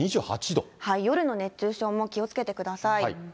夜の熱中症も気をつけてください。